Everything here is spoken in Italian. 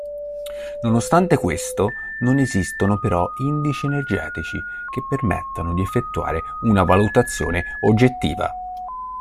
Nonostante questo, non esistono però indici energetici che permettano di effettuare una valutazione oggettiva.